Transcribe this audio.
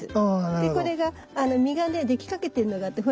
でこれが実がねできかけてんのがあってほら。